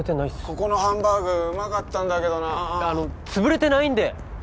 ここのハンバーグうまかったんだけどなあのつぶれてないんで！